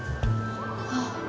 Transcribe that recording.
あっ